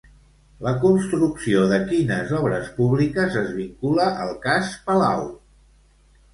La construcció de quines obres públiques es vincula al cas Palau?